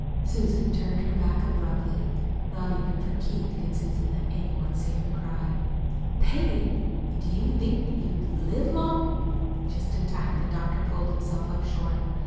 Susan turned her back abruptly. Not even for Keith could Susan let any one see her cry. "Pay! And do you think you'd live long " Just in time the doctor pulled himself up short.